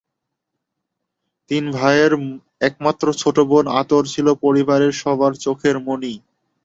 তিন ভাইয়ের একমাত্র ছোট বোন আতর ছিল পরিবারের সবার চোখের মণি।